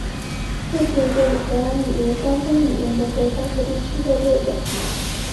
这是一个以荷兰语为官方语言的国家和地区的列表。